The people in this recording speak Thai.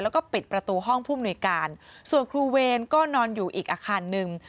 แล้วก็ปิดประตูห้องผู้มนุยการส่วนครูเวรก็นอนอยู่อีกอาคารหนึ่ง